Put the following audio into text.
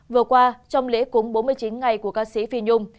vừa qua trong lễ cúng bốn mươi chín ngày của ca sĩ phi nhung